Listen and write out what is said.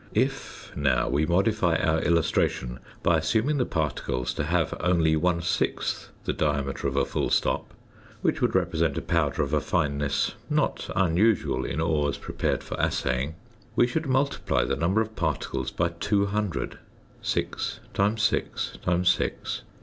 If, now, we modify our illustration by assuming the particles to have only one sixth the diameter of a full stop (which would represent a powder of a fineness not unusual in ores prepared for assaying), we should multiply the number of particles by 200 (6 × 6 × 6 = 216).